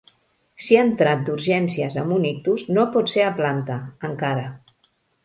Si ha entrat d'urgències amb un ictus no pot ser a planta, encara.